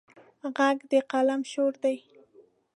غږ د قلم شور دی